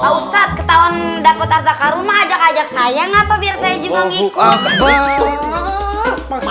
pak ustadz ketahuan dapat harta karun ajak ajak saya ngapa biar saya juga ngikut